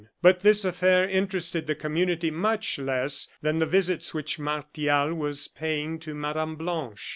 But this affair interested the community much less than the visits which Martial was paying to Mme. Blanche.